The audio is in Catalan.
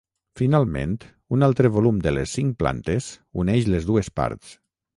Finalment, un altre volum de cinc plantes uneix les dues parts.